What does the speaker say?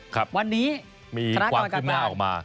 ครับวันนี้มีความขึ้นหน้าออกมา